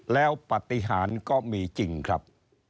แล้วปฏิหารก็มีจริงครับ